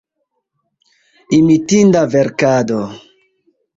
Imitinda verkado.